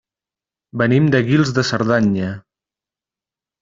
Venim de Guils de Cerdanya.